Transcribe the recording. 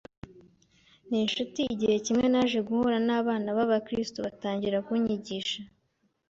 n’inshuti, igihe kimwe naje guhura n’abana b’abakristo batangira kunyigisha